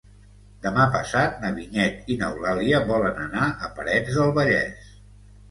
Demà passat na Vinyet i n'Eulàlia volen anar a Parets del Vallès.